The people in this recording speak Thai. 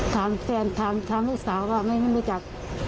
ถามแฟนถามลูกสาวว่าไม่รู้จัก